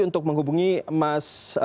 untuk menghubungi mas